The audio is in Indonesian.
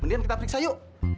mendingan kita periksa yuk